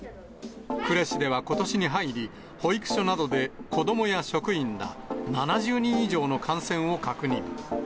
呉市ではことしに入り、保育所などで子どもや職員ら７０人以上の感染を確認。